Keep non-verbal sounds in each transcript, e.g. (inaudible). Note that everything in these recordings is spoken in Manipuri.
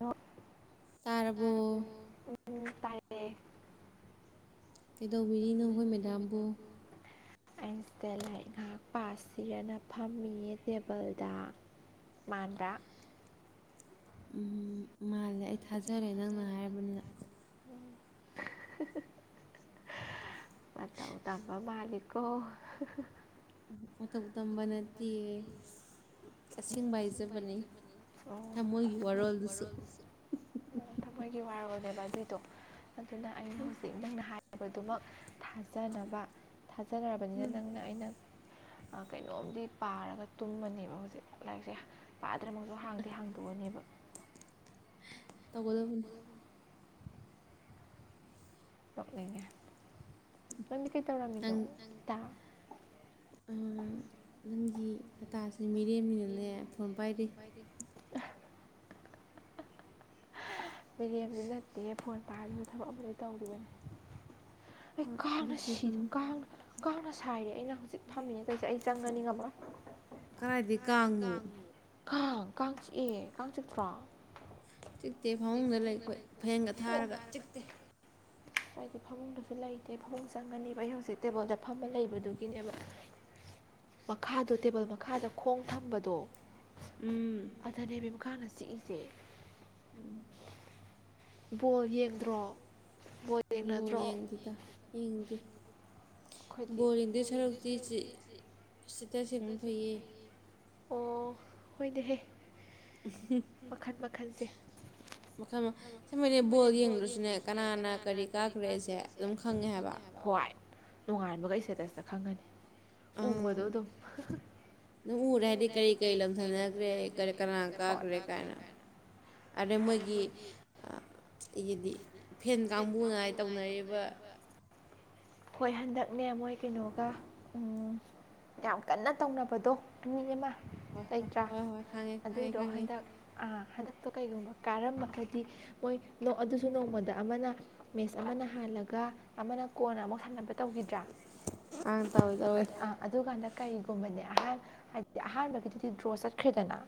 ꯑ ꯇꯥꯕꯨꯣ ꯎꯝ ꯇꯔꯦ ꯀꯩꯗꯧꯕꯤꯔꯤꯅꯣ ꯑꯩꯈꯣꯏ ꯃꯦꯗꯥꯝꯕꯨ ꯑꯟꯁꯇꯦꯂꯥꯏꯠ ꯉꯥꯏꯍꯥꯛ ꯄꯥ ꯁꯤꯔꯅ ꯐꯝꯃꯤꯌꯦ ꯇꯦꯕꯜꯗ ꯃꯥꯟꯗ꯭ꯔꯥ ꯎꯝ ꯃꯥꯜꯂꯦ ꯑꯩ ꯊꯥꯖꯔꯦ ꯅꯪꯅ ꯍꯥꯏꯔꯕꯅꯤꯅ ꯎꯗꯃ ꯃꯥꯂꯤꯛꯣ ꯗꯝ ꯅꯗꯤ ꯍ ꯍꯥꯏꯖꯕꯅꯤ ꯊꯃꯣꯏꯒꯤ ꯋꯥꯔꯣꯜꯗꯨꯁꯨ ꯊꯃꯣꯏꯒꯤ ꯋꯥꯔꯣꯜꯅꯦꯕ ꯑꯗꯨꯏꯗꯣ ꯑꯗꯨꯅ ꯑꯩꯅ ꯍꯧꯖꯤꯛ ꯅꯪꯅ ꯍꯥꯏ ꯗꯨꯃꯛ ꯊꯥꯖꯅꯕ ꯊꯥꯖꯔꯕꯅꯤꯅ ꯅꯪꯅ ꯑꯩꯅ ꯀꯩꯅꯣꯝꯗꯤ ꯄꯥꯔꯒ ꯇꯨꯝꯃꯅꯦꯕ ꯍꯧꯖꯤꯛꯠ ꯂꯥꯏꯔꯤꯛꯁꯦ ꯄꯥꯗ꯭ꯔ ꯃꯛꯇꯣ ꯍꯥꯡꯗꯤꯦ ꯍꯥꯡꯗꯣꯛꯑꯅꯦꯕ ꯇꯧꯒꯗꯕꯅꯤ ꯇꯣꯛꯂꯤꯉꯦ ꯅꯗꯤ ꯀꯩ ꯇꯧꯔꯝꯃꯤꯅꯣ ꯅꯪꯒꯤ ꯍꯇꯥꯁꯦ ꯃꯤꯔꯦꯝꯃꯤꯅꯅꯦ ꯐꯣꯟ ꯄꯥꯏꯔꯤ (inaudible) (unintelligible) ꯃꯤꯔꯦꯝꯗꯤ ꯅꯠꯇꯦ ꯐꯣꯟ ꯄꯥꯔꯗꯨꯁꯨ ꯊꯕꯛ ꯑꯃꯨꯗꯩ ꯇꯧꯔꯤꯕꯅꯤ ꯑꯩ ꯀꯥꯡꯅ ꯁꯤꯗꯣ ꯀꯥꯡꯅ ꯀꯥꯡꯅ ꯁꯥꯏꯔꯦ ꯑꯩꯅ ꯍꯧꯖꯤꯛ ꯐꯝꯃꯤꯅꯦ ꯀꯩꯁꯦ ꯑꯩ ꯆꯪꯒꯅꯤꯉꯕ꯭ꯔꯣ ꯀꯥꯡ ꯀꯥꯡ ꯆꯤꯑꯦ ꯀꯥꯡ ꯆꯤꯛꯇ꯭ꯔꯣ ꯆꯤꯛꯇꯦ ꯐꯃꯨꯡꯗ ꯂꯩ ꯑꯩꯈꯣꯏ ꯐꯦꯡꯒ ꯊꯥꯔꯒ ꯆꯤꯛꯇꯦ ꯃꯥꯏꯗꯤꯐꯥꯗ ꯁꯨ ꯂꯩꯇꯦ ꯐꯃꯨꯡ ꯆꯪꯒꯅꯦꯕ ꯑꯩ ꯍꯧꯖꯤꯛ ꯇꯦꯕꯜꯗ ꯐꯝꯕ ꯂꯩꯕꯗꯨꯒꯤꯅꯦꯕ ꯃꯈꯥꯗꯣ ꯇꯦꯕꯜ ꯃꯈꯥꯗ ꯈꯣꯡ ꯊꯝꯕꯗꯣ ꯑꯊꯅꯦꯦꯕꯤ ꯃꯈꯥꯅ ꯆꯤꯛꯏꯁꯦ ꯎꯝ ꯕꯣꯜ ꯌꯦꯡꯗ꯭ꯔꯣ ꯣꯜ ꯌꯦꯡꯗꯤꯗ ꯌꯦꯡꯗꯤ ꯕꯣꯂꯤꯡꯗꯨ ꯁꯔꯨꯛꯇꯤ ꯆꯤꯠꯇ ꯁꯦꯡꯕꯅ ꯐꯩꯌꯦ ꯑꯣ ꯍꯣꯏꯅꯦꯍꯦ ꯃꯈꯜ ꯃꯈꯜꯁꯦ ꯃꯈꯜ ꯁꯃꯅꯦ ꯕꯣꯜ ꯌꯦꯡꯗ꯭ꯔꯁꯨꯅꯦ ꯀꯅꯥꯅ ꯀꯔꯤ ꯀꯥꯈ꯭ꯔꯦꯁꯦ ꯑꯗꯨꯝ ꯈꯪꯉꯦ ꯍꯥꯏꯕ ꯍ꯭ꯋꯥꯏ ꯅꯨꯡꯉꯥꯟꯕꯒ ꯏꯁꯇꯦꯇꯁꯇ ꯈꯪꯒꯅꯤ ꯎꯕꯗꯣ ꯑꯗꯨꯝ ꯑꯗꯨ ꯎꯔꯦ ꯍꯥꯏꯗꯤ ꯀꯔꯤ ꯀꯔꯤ ꯂꯝꯊꯅꯈ꯭ꯔꯦ ꯀꯅꯥ ꯀꯥꯈ꯭ꯔꯦ ꯀꯥꯏꯅ ꯑ ꯃꯣꯏꯒꯤ ꯑꯩꯒꯤꯗꯤ ꯐꯦꯟ ꯀꯥꯡꯕꯨꯅꯉꯥꯏ ꯇꯧꯅꯔꯤꯕ ꯍꯣꯏ ꯍꯟꯗꯛꯅꯦ ꯃꯣꯏ ꯀꯩꯅꯣꯒ ꯌꯥꯝ ꯀꯟꯅ ꯇꯧꯅꯕꯗꯣ ꯑꯅꯤ ꯑꯃ ꯂꯩꯇ꯭ꯔꯥ ꯑꯗꯨꯏꯗꯣ ꯍꯟꯗꯛ ꯍꯟꯗꯛꯇ ꯀꯩꯒꯨꯝꯕ ꯀꯥꯔꯝꯃꯒꯗꯤ ꯃꯣꯏ ꯑꯗꯨꯁꯨ ꯅꯣꯡꯃꯗ ꯑꯃꯅ ꯃꯦꯠꯁ ꯑꯃꯅ ꯍꯥꯜꯂꯒ ꯑꯃꯅ ꯀꯣꯟ ꯑꯃꯨꯛ ꯁꯝꯂꯝ (unintelligible) (inaudible) ꯀꯩꯒꯨꯝꯕꯅꯦ ꯑꯍꯥꯟ ꯍꯥꯏꯗꯤ ꯑꯍꯥꯟꯕꯒꯤꯗꯨꯗꯤ ꯗ꯭ꯔꯣ ꯆꯠꯈ꯭ꯔꯦꯗꯅ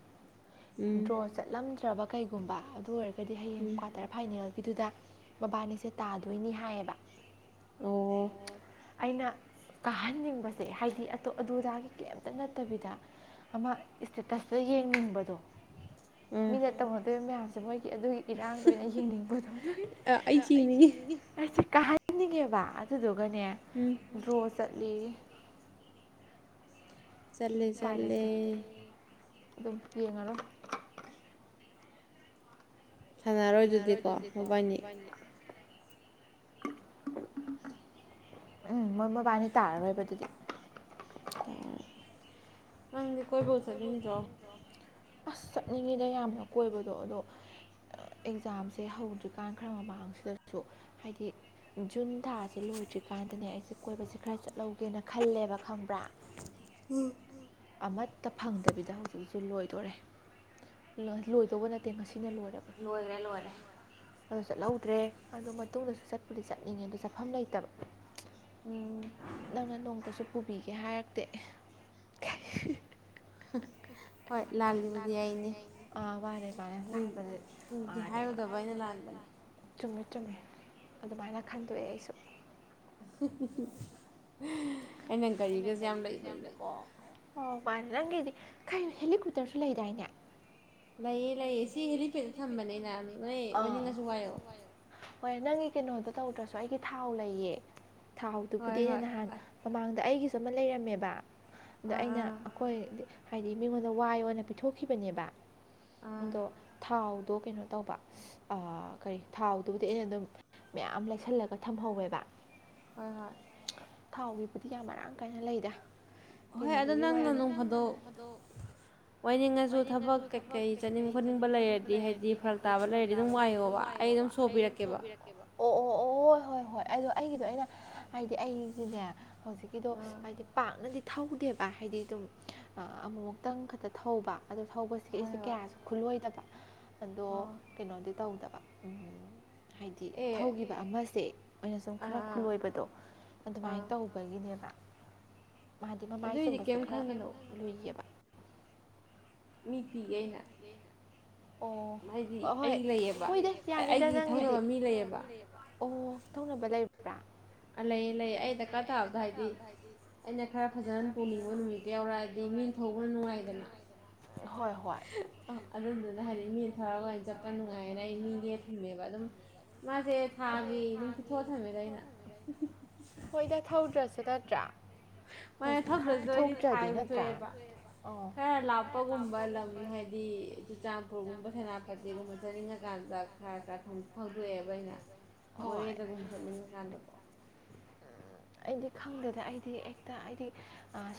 ꯗ꯭ꯔꯣ ꯆꯠꯂꯝꯗ꯭ꯔꯕ ꯀꯩꯒꯨꯝꯕ ꯑꯗꯨ ꯑꯣꯏꯔꯒꯗꯤ ꯍꯌꯦꯡ ꯀ꯭ꯋꯥꯇꯔ ꯜꯕꯤꯗꯨꯗ ꯕꯕꯥꯅꯤꯁꯦ ꯇꯥꯗꯣꯏꯅꯤ ꯍꯥꯏꯌꯦꯕ ꯑꯣ ꯑꯩꯅ ꯀꯥꯍꯟꯅꯤꯡꯕꯁꯦ ꯍꯥꯏꯗꯤꯇꯞ ꯑꯗꯨꯗꯥꯒꯤ ꯀꯩꯝꯇ ꯅꯠꯇꯕꯤꯗ ꯑꯃ ꯏꯁꯇꯦꯇꯁ ꯑꯗꯣ ꯌꯦꯡꯅꯤꯡꯕꯗꯣ ꯃꯤꯅꯠ ꯇꯧꯍꯧꯗꯣꯏꯕ ꯃꯌꯥꯝꯁꯦ ꯃꯣꯏꯒꯤ ꯑꯗꯨꯒꯤ ꯏꯔꯥꯡꯗꯅꯦ ꯌꯦꯡꯅꯤꯡꯕꯗꯣ ꯀꯥꯍꯟꯅꯤꯡꯉꯦꯕ ꯑꯗꯨꯗꯨꯒꯅꯦ ꯗ꯭ꯔꯣ ꯆꯠꯂꯤ ꯆꯂꯦ ꯆꯂꯦ ꯑꯗꯨꯝ ꯌꯦꯉꯔꯣꯢ ꯁꯥꯟꯅꯔꯣꯏꯗꯨꯗꯤꯀꯣ ꯑꯗꯨꯕꯥꯅꯤ (unintelligible) ꯎꯝ ꯃꯣꯏ ꯃꯕꯥꯅꯤ ꯇꯥꯔꯔꯣꯏꯕ ꯑꯗꯨꯗꯤ ꯑꯪꯗꯤ ꯀꯣꯏꯕꯨ ꯆꯠꯅꯤꯡꯗ꯭ꯔꯣ ꯑꯁ ꯆꯠꯅꯤꯡꯉꯤꯗ ꯌꯥꯝꯅ ꯀꯣꯏꯕꯗꯣ ꯑꯗꯣ ꯑꯦꯛꯖꯥꯝꯁꯦ ꯍꯧꯗ꯭ꯔꯤꯀꯥꯟ ꯈꯔ ꯃꯃꯥꯡꯁꯤꯗꯁꯨ ꯍꯥꯏꯗꯤ ꯖꯨꯟ ꯊꯥꯁꯦ ꯂꯣꯏ ꯍꯧꯗ꯭ꯔꯤꯀꯥꯟꯗꯅꯦ ꯑꯩꯁꯦ ꯀꯣꯏꯕꯁꯦ ꯈꯔ ꯆꯠꯍꯧꯒꯦꯅ ꯈꯜꯂꯦꯕ ꯈꯪꯕ꯭ꯔꯥ ꯎꯝ ꯑꯃꯠꯇ ꯐꯪꯗꯕꯤꯗ ꯍꯧꯖꯤꯛꯖꯤ ꯂꯣꯏꯗꯣꯔꯦ ꯂꯣꯏꯗꯧꯕ ꯅꯠꯇꯦ ꯉꯁꯤ ꯂꯣꯏꯈꯔꯦ ꯂꯣꯏꯔꯦ ꯑꯗꯨ ꯆꯠꯍꯧꯗ꯭ꯔꯦ ꯑꯗꯨ ꯃꯇꯨꯡꯗꯁꯨ ꯆꯠꯄꯨꯗꯤ ꯆꯠꯅꯤꯡꯉꯦ ꯑꯗꯨ ꯆꯠꯐꯝ ꯂꯩꯇꯕ ꯅꯪꯅ ꯅꯣꯡꯇꯁꯨ ꯄꯨꯕꯤꯒꯦ ꯍꯥꯏꯔꯛꯇꯦ (inaudible) (inaudible) ꯍꯣꯏ ꯂꯥꯜꯂꯤꯕꯗꯤ ꯑꯩꯅꯤ ꯁꯦ ꯍꯥꯏꯔꯨꯗꯕ ꯑꯩꯅ ꯂꯥꯟꯕꯅꯦ (inaudible) ꯆꯨꯝꯃꯦ ꯆꯨꯝꯃꯦ ꯑꯗꯨꯃꯥꯏꯅ ꯈꯟꯗꯣꯛꯑꯦ ꯑꯩꯁꯨ ꯑꯩꯅ ꯒꯥꯔꯤꯒꯁꯦ ꯌꯥꯝ ꯂꯩꯕꯅꯤꯅꯀꯣ ꯃꯥꯅꯦ ꯅꯪꯒꯤꯗꯤ ꯍꯦꯂꯤꯀꯣꯞꯇꯔꯁꯨ ꯂꯩꯗꯥꯏꯅꯦ ꯂꯩꯑ ꯂꯩꯌꯦ ꯁꯤ ꯍꯦꯂꯤꯄꯦꯗꯇ ꯊꯝꯕꯅꯤꯅ ꯅꯣꯏ ꯋꯥꯅꯤꯡꯉꯁꯨ ꯋꯥꯏꯌꯣ ꯍꯣꯏ ꯅꯪꯒꯤ ꯀꯩꯅꯣꯗꯣ ꯇꯧꯗ꯭ꯔꯁꯨ ꯑꯩꯒꯤ ꯊꯥꯎ ꯂꯩꯌꯦ ꯊꯥꯎꯗꯨꯕꯨꯗꯤꯅꯦ ꯅꯍꯥꯟ ꯃꯃꯥꯡꯗ ꯑꯩꯒꯤꯁꯨ ꯑꯃ ꯂꯩꯔꯝꯃꯦꯕ ꯑꯗ ꯑꯩꯅ ꯑꯩꯈꯣꯏ ꯍꯥꯏꯗꯤ ꯃꯤꯉꯣꯟꯗ ꯋꯥꯏ ꯑꯣꯏꯅ ꯄꯤꯊꯣꯛꯈꯤꯕꯅꯦꯕ ꯑꯗꯣ ꯊꯥꯎꯗꯣ ꯀꯩꯅꯣ ꯇꯧꯕ ꯀꯔꯤ ꯊꯥꯎꯗꯨꯕꯨꯗꯤ ꯑꯩꯅ ꯑꯗꯨꯝ ꯃꯌꯥꯝ ꯂꯩꯁꯜꯂꯒ ꯊꯝꯍꯧꯋꯦꯕ ꯍꯣꯏ ꯍꯣꯏ ꯊꯥꯎꯒꯤꯕꯨꯗꯤ ꯌꯥꯝ ꯃꯔꯥꯡ ꯀꯥꯏꯅ ꯂꯩꯗꯦ ꯍꯣꯏ ꯑꯗꯨ ꯅꯪꯅ ꯅꯣꯡ ꯐꯥꯗꯣꯛ ꯑꯣꯏꯅꯤꯡꯉꯁꯨ ꯊꯕꯛ ꯀꯩꯀꯩ ꯆꯠꯅꯤꯡ ꯈꯣꯠꯅꯤꯡꯕ ꯂꯩꯔꯗꯤ ꯍꯥꯏꯗꯤ ꯐꯔꯛ ꯇꯥꯕ ꯂꯩꯔꯗꯤ ꯑꯗꯨꯝ ꯋꯥꯏꯌꯣꯕ ꯑꯩ ꯑꯗꯨꯝ ꯁꯣꯄꯤꯔꯛꯀꯦꯕ ꯑꯣ ꯑꯣ ꯑꯣ ꯍ ꯍꯣꯏ ꯍꯣꯏ ꯑꯗꯣ ꯑꯩꯒꯤꯗꯣ ꯑꯩꯅ ꯍꯥꯏꯗꯤ ꯑꯩꯁꯤꯅꯦ ꯍꯧꯖꯤꯛꯀꯤꯗꯣ ꯍꯥꯏꯗꯤ ꯄꯥꯛꯅꯗꯤ ꯊꯧꯗꯦꯕ ꯍꯥꯏꯗꯤ ꯑꯗꯨꯝ ꯑꯃꯨꯃꯨꯛꯇꯪ ꯈꯛꯇ ꯊꯧꯕ ꯑꯗꯣ ꯊꯧꯕꯁꯤꯒ ꯑꯩꯁꯦ ꯑꯗꯣ ꯀꯩꯅꯣꯗꯤ ꯇꯧꯗꯕ ꯎꯝ ꯍꯥꯏꯗꯤ ꯊꯧꯈꯤꯕ ꯑꯃꯁꯦ ꯑꯣꯏꯅ ꯁꯨꯝ ꯈꯔ ꯈꯨꯜꯂꯣꯏꯕꯗꯣ ꯑꯗꯨꯃꯥꯏꯅ ꯇꯧꯕꯒꯤꯅꯦꯕ ꯃꯥꯗꯤ ꯃꯃꯥꯏ ꯆꯨꯝꯕꯁꯦ ꯈꯔ ꯂꯨꯏꯌꯦꯕ ꯃꯤꯠꯇꯤꯒꯦꯍ ꯍꯥꯏꯗꯤ ꯑꯩ ꯂꯩꯌꯦꯕ ꯑꯩꯒꯤ ꯏ ꯊꯧꯅꯕ ꯃꯤ ꯂꯩꯑꯕ ꯑꯣ ꯊꯧꯅꯕ ꯂꯩꯔꯕ꯭ꯔꯥ ꯑ ꯂꯩꯌꯦ ꯂꯩꯌꯦ ꯑꯩ ꯗꯔꯀꯥꯔ ꯇꯥꯕꯗ ꯍꯥꯏꯗꯤ ꯑꯩꯅ ꯈꯔ ꯐꯖꯅ ꯇꯣꯡꯅꯤꯡꯕ ꯅꯨꯃꯤꯠꯇ ꯌꯥꯎꯔꯗꯤ ꯑꯗꯩ ꯃꯤ ꯊꯧꯕꯅ ꯅꯨꯡꯉꯥꯏꯗꯅ ꯍꯣꯏ (unintelligible) ꯃꯤ ꯄꯤꯊꯔꯒ ꯆꯠꯄ ꯅꯨꯡꯉꯥꯏꯌꯦꯅ ꯑꯩ ꯃꯤꯅꯦ ꯊꯝꯃꯦꯕ ꯑꯗꯨꯝ ꯃꯥꯁꯦ ꯊꯥꯒꯤ ꯑꯗꯨꯝ ꯄꯤꯊꯣꯛꯑ ꯊꯝꯃꯦ ꯑꯗꯨꯥꯏꯩꯅ ꯍꯣꯏꯗ ꯊꯧꯗ꯭ꯔꯁꯨ ꯅꯠꯇ꯭ꯔꯥ ꯃꯣꯏ ꯊꯣꯖꯗ ꯑꯣꯏꯗꯤ ꯊꯥꯏꯕꯨ ꯊꯣꯛꯑꯦꯕ ꯈꯔ ꯂꯥꯞꯄꯒꯨꯝꯕ ꯂꯝ ꯍꯥꯏꯗꯤ ꯆꯨꯔꯆꯄꯨꯔ ꯎꯈꯜꯒꯨꯝꯕ ꯁꯅꯥ ꯐꯇꯦꯛꯒꯨꯝꯕ ꯆꯥꯅꯤꯡꯉꯀꯥꯟꯗ ꯈꯔ ꯈꯔ ꯐꯪꯗꯣꯛꯑꯦꯕ ꯑꯩꯅ ꯃꯣꯔꯦꯗꯒꯤꯀꯥꯟꯗꯀ ꯑꯩꯗꯤ ꯈꯪꯗꯦꯗ ꯑꯩꯗꯤ ꯍꯦꯛꯇ ꯑꯩꯗꯤ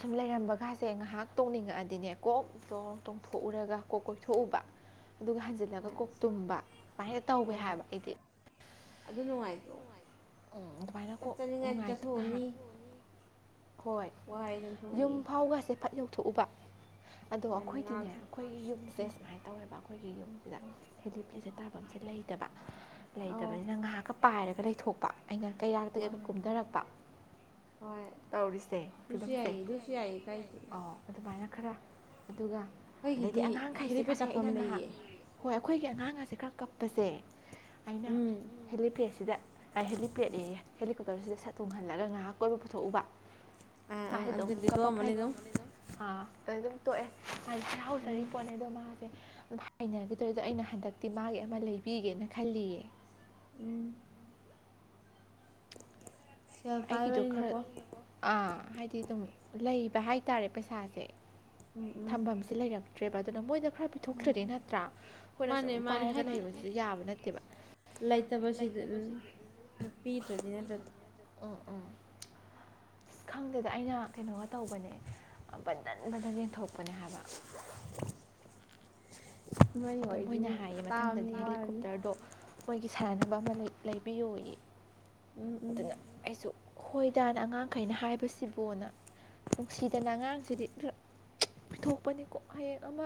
ꯁꯨꯝ ꯂꯩꯔꯝꯕꯒꯥꯁꯦ ꯉꯥꯏꯍꯥꯛ ꯇꯣꯡꯅꯤꯡꯉꯛꯑꯗꯤꯅꯦ ꯀꯣꯛꯇꯣꯡ ꯇꯣꯡꯊꯣꯛꯎꯔꯒ ꯀꯣꯛ ꯀꯣꯏꯊꯣꯛꯎꯕ ꯑꯗꯨꯒ ꯍꯟꯖꯤꯜꯂꯒ ꯀꯣꯛ ꯇꯨꯝꯕ ꯁꯨꯃꯥꯏꯅ ꯇꯧꯋꯦ ꯍꯥꯏꯕ ꯑꯩꯗꯤ ꯑꯗꯨ ꯅꯨꯡꯉꯥꯏꯇ꯭ꯔꯣ ꯐꯠꯇꯅꯤꯉꯥꯏ ꯆꯠꯊꯣꯛꯑꯅꯤ ꯍꯣꯏ ꯌꯨꯝ ꯐꯥꯎꯒꯁꯦ ꯐꯠ ꯌꯧꯊꯣꯛꯎꯕ ꯑꯗꯣ ꯑꯩꯈꯣꯏꯗꯤꯅꯦ ꯑꯩꯈꯣꯏꯒꯤ ꯌꯨꯝꯁꯦ ꯁꯨꯃꯥꯏꯅ ꯇꯧꯋꯦꯕ ꯑꯩꯈꯣꯏꯒꯤ ꯌꯨꯝꯁꯤꯗ ꯍꯦꯂꯤꯄ꯭ꯂꯦꯁꯦ ꯇꯥꯕ ꯃꯐꯝꯁꯦ ꯂꯩꯇꯕ ꯂꯩꯇꯕꯅꯤꯅ ꯉꯥꯏꯍꯥꯛꯀ ꯄꯥꯏꯔꯒ ꯂꯩꯊꯣꯛ ꯑꯩꯅ ꯀꯩꯔꯥꯛꯇ ꯀꯩꯒ ꯀꯨꯝꯊꯔꯛꯄ ꯇꯧꯔꯤꯁꯦ ꯐꯤꯕꯝꯁꯦ ꯑꯣ ꯑꯗꯨꯃꯥꯏꯅ ꯈꯔ ꯑꯗꯨꯒ ꯑꯗꯩꯗꯤ ꯑꯉꯥꯡꯈꯩꯁꯤꯦ ꯀꯁꯦꯡ ꯑꯩꯅ ꯉꯥꯏꯍꯥꯛ ꯍꯣꯏ ꯑꯩꯈꯣꯏꯒꯤ ꯑꯉꯥꯡ ꯑꯁꯦ ꯈꯔ ꯀꯞꯄꯁꯦ ꯑꯩꯅ ꯍꯦꯂꯤꯐꯦꯠꯁꯤꯗ ꯑꯩꯥꯏ ꯍꯦꯂꯤꯄꯦꯗꯅꯦ ꯍꯦꯂꯤꯀꯣꯞꯇꯔꯁꯤꯗ ꯁꯠꯇꯨꯡꯍꯜꯂꯒ ꯉꯥꯏꯍꯥꯛ ꯀꯣꯏꯕ ꯄꯨꯊꯣꯛꯎꯕ ꯃꯥꯁꯦ ꯑꯗꯨꯝ ꯀꯄ ꯐꯩꯣꯅꯤ ꯑꯗꯨꯝ ꯑꯗꯨ ꯑꯗꯨꯝ ꯇꯣꯛꯑꯦ ꯃꯥ ꯌꯥꯥꯎꯖꯔꯤ ꯄꯣꯠꯅꯦꯗꯣ ꯃꯥ ꯍꯥꯏꯅꯒꯗꯧꯔꯤꯗꯣ ꯑꯩꯅ ꯍꯟꯗꯛꯇꯤ ꯃꯥꯒꯤ ꯑꯃ ꯂꯩꯕꯤꯒꯦꯅ ꯈꯜꯂꯤꯌꯦ ꯎꯝ ꯑꯩꯒꯤꯗꯣ ꯈꯔ ꯑꯥ ꯍꯥꯏꯗꯤ ꯑꯗꯨꯝ ꯂꯩꯕ ꯍꯥꯏꯇꯥꯔꯦ ꯄꯩꯁꯥꯁꯦ ꯊꯝꯐꯝꯁꯦ ꯂꯩꯔꯛꯇ꯭ꯔꯦꯕ ꯑꯗꯨꯅ ꯃꯣꯏꯗ ꯈꯔ ꯄꯤꯊꯣꯛꯇ꯭ꯔꯗꯤ ꯅꯠꯇ꯭ꯔꯥ ꯑꯩꯈꯣꯏꯅ ꯁꯨꯝ ꯄꯥꯏꯔꯒ ꯂꯩꯕꯗꯨꯁꯨ ꯌꯥꯕ ꯅꯠꯇꯦꯕ ꯠꯇꯁꯤꯁꯨ ꯄꯤ ꯇꯗꯅ ꯇ ꯈꯪꯗꯦꯗ ꯑꯩꯅ ꯀꯩꯅꯣꯒ ꯇꯧꯕꯅꯦ ꯕꯟꯗꯟꯕꯗ ꯌꯦꯟꯊꯣꯛꯄꯅꯦ ꯍꯥꯏꯕ (unintelligible) ꯑꯗꯣ ꯃꯣꯏꯅ ꯍꯥꯏꯌꯦ ꯃꯊꯪꯗꯗꯤ ꯍꯦꯂꯤꯀꯣꯞꯇꯔꯗꯣ ꯃꯣꯏꯒꯤ ꯁꯥꯟꯅꯕ ꯑꯃ ꯂꯩꯕꯤꯌꯨ ꯑꯗꯨꯅ ꯑꯩꯁꯨ ꯈꯣꯏꯗꯥꯅ ꯑꯉꯥꯡꯈꯩꯅ ꯍꯥꯏꯕꯁꯤꯕꯅ ꯅꯨꯡꯁꯤꯗꯅ ꯑꯉꯥꯡꯁꯤꯗꯤ ꯄꯤꯊꯣꯛꯄꯅꯤꯀꯣ ꯍꯌꯦꯡ ꯑꯃ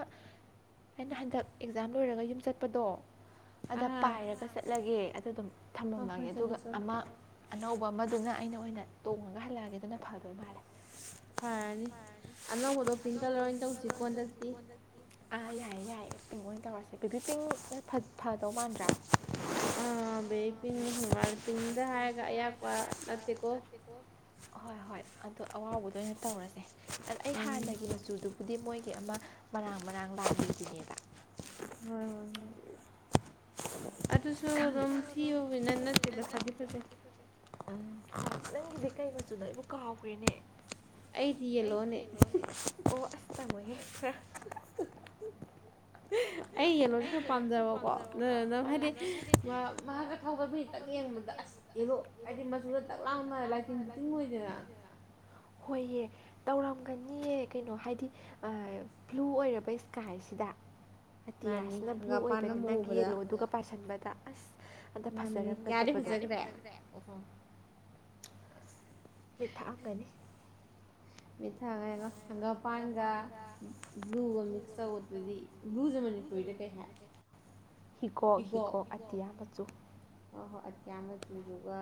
ꯑꯩꯅ ꯍꯟꯗꯛ ꯑꯦꯛꯖꯥꯝ ꯂꯣꯏꯔꯒ ꯌꯨꯝ ꯆꯠꯄꯗꯣ (unintelligible) ꯑꯗ ꯄꯥꯏꯔꯒ ꯆꯠꯂꯒꯦ ꯑꯗꯨꯗꯨꯝ ꯊꯝꯃꯝꯃꯒꯦ ꯑꯗꯨꯒ ꯑꯃ ꯑꯅꯧꯕ ꯑꯃꯗꯨꯅ ꯑꯩꯅ ꯑꯣꯏꯅ ꯇꯣꯡꯉꯒ ꯍꯜꯂꯛꯑꯦ ꯑꯗꯨꯅ ꯐꯗꯣꯏ ꯃꯥꯜꯂꯦ ꯐꯔꯅꯤ ꯑꯅꯧꯕꯗꯣ ꯄꯤꯡ ꯀꯂꯔ ꯑꯣꯏꯅ ꯇꯧꯁꯤ ꯀ ꯍꯟꯗꯤ ꯑꯥ ꯌꯥꯏꯌꯦ ꯌꯥꯏꯌꯦ ꯄꯤꯡ ꯑꯣꯏꯅ ꯇꯧꯔꯁꯦ ꯕꯦꯕꯤ ꯄꯤꯡ ꯂ ꯐ ꯃꯥꯟꯗ꯭ꯔꯥ ꯕꯩ ꯄꯤꯡ ꯄꯤꯡꯗ ꯍꯥꯏꯔꯒ ꯑꯌꯥꯛꯄ ꯅꯠꯇꯦꯀꯣ ꯍꯣꯏ ꯍꯣꯏ ꯑꯗꯣ ꯑꯋꯥꯕꯗ ꯑꯣꯏꯅ ꯇꯧꯔꯁꯦ ꯑꯗ ꯑꯩ ꯍꯥꯟꯅꯒꯤ ꯃꯆꯨꯗꯨꯕꯨꯗꯤ ꯃꯣꯏꯒꯤ ꯑꯃ ꯃꯔꯥꯡ ꯃꯔꯥꯡ ꯂꯥꯡꯕꯤꯗꯨꯅꯦꯕ ꯍꯣꯏ ꯍꯣꯏ ꯑꯗꯨꯁꯨ ꯑꯗꯨꯝ ꯊꯤ ꯑꯣꯏꯨꯕꯅ ꯅꯠꯇꯦꯗ ꯐꯗꯤ ꯐꯖꯩ ꯑꯗꯨ ꯅ ꯑꯩꯕꯨ ꯀꯥꯎꯈ꯭ꯔꯦꯅꯦ ꯑꯩꯗꯤ ꯌꯦꯜꯂꯣꯅꯦ ꯑꯣ ꯑꯁ ꯆꯪꯉꯣꯍꯦ ꯍ ꯍ ꯑꯩ ꯌꯦꯡꯂꯣꯁꯦ ꯈꯔ ꯄꯥꯝꯖꯕꯀꯣ ꯑꯗꯨ ꯅꯪ ꯍꯥꯏꯗꯤ ꯃꯍꯥꯛꯀ ꯊꯒ ꯃꯤ ꯈꯤꯛꯇꯪ ꯌꯦꯡꯕꯗ ꯑꯁ ꯌꯦꯂꯣ ꯑꯩꯗꯤ ꯃꯆꯨꯗ ꯇꯛꯂꯥꯎꯅ ꯂꯥꯏꯇꯤꯟꯗꯤ ꯇꯤꯡ ꯑꯣꯏꯣꯏꯗꯅ ꯍꯣꯏꯌꯦ ꯇꯧꯔꯝꯒꯅꯤꯑ ꯀꯩꯅꯣ ꯍꯥꯏꯗꯤ ꯕ꯭ꯂꯨ ꯑꯣꯏꯔꯕ ꯏꯁꯀꯥꯏꯁꯤꯗ (unintelligible) ꯑꯇꯤꯌꯥꯁꯤꯅ ꯕ꯭ꯂꯨ ꯑꯣꯏꯕꯅꯤ ꯅꯪꯒꯤ ꯌꯦꯜꯂꯣꯗꯨꯒ ꯄꯥꯁꯟꯕ ꯑꯁ ꯑꯟꯗ ꯐꯖꯔꯝꯒꯗꯕ ꯑꯣ ꯃ ꯊꯥꯛꯑ ꯑꯃꯅꯤꯅꯤ ꯃꯦꯊꯥꯒꯑꯒ ꯊꯪꯒꯄꯥꯟꯒ ꯕ꯭ꯂꯨꯒ ꯃꯤꯛꯁ ꯇꯧꯕꯗꯗꯤ ꯕ꯭ꯂꯨꯁꯦ ꯃꯅꯤꯄꯨꯔꯤꯗ ꯀꯩ ꯍꯥꯏ ꯍꯀꯣ ꯍꯀꯑꯣ ꯑꯇꯌꯥ ꯃꯆꯨ ꯑ ꯍꯣꯏ ꯑꯇꯤꯌꯥ ꯃꯆꯨꯗꯨꯒ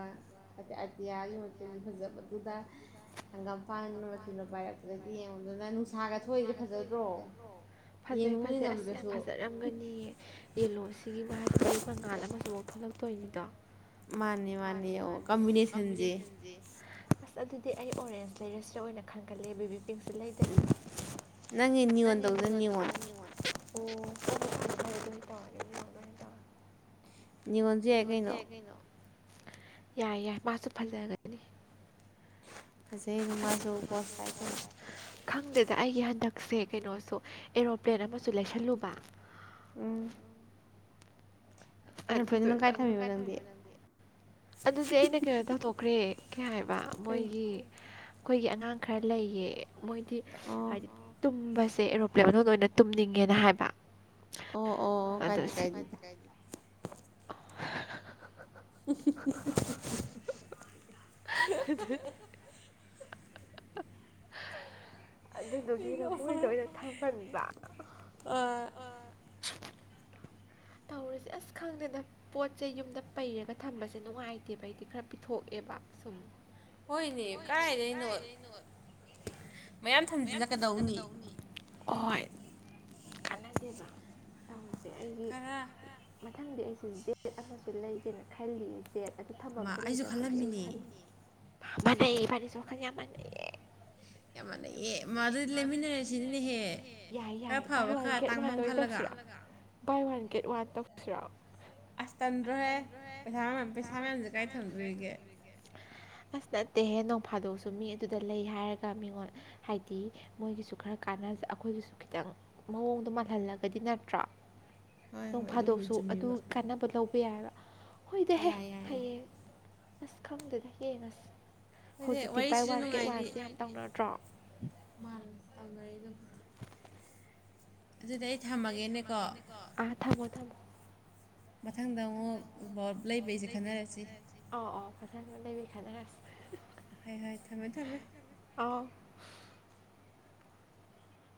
ꯑꯇꯤꯌꯥꯒꯤ ꯃꯆꯨꯒꯤ ꯐꯖꯕꯗꯨꯗ ꯍꯪꯄꯥ ꯆꯂꯄ ꯌꯥꯔꯗꯤ ꯐꯖꯩ ꯐꯖꯩ ꯑꯁ ꯌꯥꯝ ꯐꯖꯔꯝꯒꯅꯤꯑ ꯌꯦꯂꯣꯁꯤꯒꯤ ꯉꯥꯏꯗꯨꯗꯤ ꯃꯪꯉꯥꯜ ꯑꯃꯁꯨꯃꯨꯛ ꯊꯣꯛꯂꯛꯇꯣꯏꯅꯤꯗꯣ ꯃꯥꯅꯦ ꯃꯥꯅꯦ ꯑꯣ ꯀꯝꯕꯤꯅꯦꯁꯟꯁꯦ ꯑꯁ ꯑꯗꯨꯗꯤ ꯑꯩ ꯑꯣꯔꯦꯟꯖ ꯂꯩꯔꯁꯤꯔ ꯑꯣꯏꯅ ꯈꯟꯒꯠꯂꯦ ꯕꯦꯕꯤ ꯄꯤꯡꯁꯦ ꯂꯩꯗꯕꯤꯗ ꯅꯪ ꯏꯅꯤ ꯑꯣꯟ ꯇꯧꯗꯅꯤꯅꯤꯉꯣꯟ ꯑꯣ ꯍꯣ ꯍꯣꯏ ꯐꯔꯦ ꯐꯔꯦ ꯑꯗꯨꯃꯝ ꯇꯧꯔꯒꯦ ꯌꯦꯡꯣ ꯑꯗꯨꯃꯥꯏ ꯇꯧꯔꯒꯦ ꯅꯤꯉꯣꯟꯁꯨ ꯌꯥꯏ ꯀꯩꯅꯣ ꯌꯥꯏ ꯌꯥꯏ ꯃꯥꯁꯨ ꯐꯖꯒꯅꯤ ꯈꯪꯗꯦꯗ ꯑꯩꯒꯤ ꯍꯟꯗꯛ ꯁꯦ ꯀꯩꯅꯣꯁꯨ ꯑꯦꯔꯣꯄ꯭ꯂꯦꯟ ꯑꯃꯁꯨ ꯂꯩꯁꯜꯂꯨꯕ ꯎꯝ ꯅꯪ ꯑꯗꯨꯗꯤ ꯑꯩꯅ ꯀꯩꯅꯣ ꯇꯧꯗꯣꯛꯈ꯭ꯔꯦ ꯀꯩ ꯍꯥꯏꯕ ꯃꯣꯏꯒꯤ ꯑꯩꯈꯣꯏꯒꯤ ꯑꯉꯥꯡ ꯈꯔ ꯂꯩꯌꯦ ꯃꯣꯏꯗꯤ ꯍꯥꯏꯗꯤ ꯇꯨꯝꯕꯁꯦ ꯑꯦꯔꯣꯄ꯭ꯂꯦꯟ ꯑꯃ ꯑꯣꯏꯅ ꯇꯨꯝꯅꯤꯡꯉꯦ ꯅ ꯍꯥꯏꯕ (unintelligible) (unintelligible) ꯑꯗꯨꯗꯤ ꯑꯗꯨꯗꯨꯒꯤꯅ ꯃꯣꯏꯗ ꯑꯣꯏꯅ ꯊꯝꯃꯟꯕ ꯎ ꯍꯧꯣꯁꯦ ꯑꯁ ꯈꯪꯗꯦꯅ ꯄꯣꯠꯁꯦ ꯌꯨꯝꯗ ꯄꯩꯔꯒ ꯊꯝꯕꯁꯦ ꯅꯨꯡꯉꯥꯏꯇꯦꯕ ꯑꯩꯗꯤ ꯈꯔ ꯄꯤꯊꯣꯛꯑꯦꯕ ꯁꯨꯝ ꯍꯣꯏꯅꯦ ꯀꯗꯥꯥꯏꯗꯅꯣ ꯃꯌꯥꯝꯀꯅꯤ ꯑꯣꯏ ꯀꯥꯟꯅꯁꯦꯕ ꯇꯧꯁꯦ ꯍ ꯃꯊꯪꯗꯤ ꯑꯩꯁꯦ ꯗꯦꯠ ꯑꯃꯁꯨ ꯂꯩꯒꯦꯅ ꯈꯜꯂꯤ ꯑꯗꯨ ꯐꯝꯐꯝꯁꯨ ꯂꯩꯇꯕ ꯐꯠꯇꯩ ꯐꯔꯁꯨ ꯃꯌꯦ ꯑꯦ ꯃꯥꯗꯤ ꯂꯩꯃꯤꯟꯅꯔꯁꯤꯅꯦꯍ ꯌꯥꯏ ꯌꯥꯏ ꯇꯔꯛ ꯕꯥꯏ ꯋꯥꯟ ꯒꯦꯠ ꯋꯥꯟ ꯇꯧꯁꯤꯔꯣꯑꯣ ꯑꯁ ꯇꯟꯗ꯭ꯔꯣꯍꯦ ꯄꯩꯁꯥ ꯃꯌꯥꯝ ꯄꯩꯁꯥ ꯃꯌꯥꯝꯁꯦ ꯀꯥꯏ ꯊꯝꯗꯣꯔꯤꯒꯦ ꯑꯁ ꯅꯠꯇꯦ ꯍꯦ ꯅꯣꯡ ꯐꯥꯗꯣꯛꯁꯨ ꯃꯤ ꯑꯗꯨꯗ ꯂꯩ ꯍꯥꯏꯔꯒ ꯃꯤꯉꯣꯟ ꯍꯥꯏꯗꯤ ꯃꯣꯏꯒꯤꯁꯨ ꯈꯔ ꯀꯥꯟ ꯑꯩꯈꯣꯏꯒꯤꯁꯨ ꯈꯤꯇꯪ ꯃꯑꯣꯡꯗꯣ ꯃꯥꯜꯍꯜꯂꯒꯗꯤ ꯅꯠꯇ꯭ꯔꯥ ꯅꯣꯡ ꯐꯥꯗꯣꯛꯁꯨ ꯑꯗꯨ ꯀꯥꯟꯅꯕ ꯂꯧꯕ ꯌꯥꯏꯑꯕ ꯍꯣꯏꯗꯤꯍꯦ ꯍꯌꯦꯡ ꯑꯁ ꯈꯪꯗꯦꯗ ꯌꯦꯡꯉꯁ ꯍꯧꯖꯤꯛꯇꯤ ꯕꯥꯏ ꯋꯥꯟ ꯦ ꯋꯥꯟꯁꯦ ꯌꯥꯝ ꯇꯧꯅꯔ ꯃꯥꯜ ꯑꯉꯔꯤꯗ ꯑꯗꯨ ꯊꯝꯃꯒꯦꯅꯦꯀꯣ ꯑ ꯊꯝꯝꯕꯣ ꯊꯝꯣ ꯃꯊꯪꯗ ꯑꯃꯨꯛꯕ ꯂꯩꯕꯩꯁꯨꯦ ꯈꯠꯅꯔꯁꯤꯦ ꯑꯥꯎ ꯑꯥꯎ ꯈ ꯂꯩꯕꯩ ꯈꯠꯅꯔꯁꯤꯦ ꯍꯣꯏ ꯍꯣꯏ ꯊꯃꯦ ꯊꯃꯦ ꯑꯐ